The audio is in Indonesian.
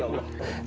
makbul ya allah